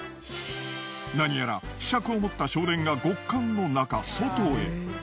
何やらひしゃくを持った少年が極寒のなか外へ。